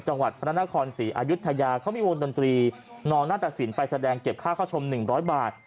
จังหวัดพระนครศรีอายุทยาเขามีวงดนตรีนองหน้าตสินไปแสดงเก็บค่าเข้าชม๑๐๐บาท